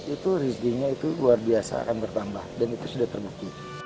itu rezekinya itu luar biasa akan bertambah dan itu sudah terbukti